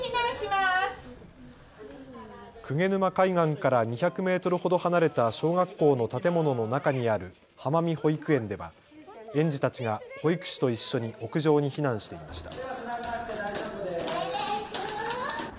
鵠沼海岸から２００メートルほど離れた小学校の建物の中にある浜見保育園では園児たちが保育士と一緒に屋上に避難していました。